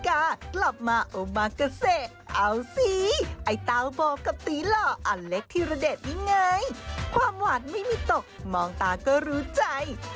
อ้าวม่ำคำโต๊ะไปเลยนะจ๊ะ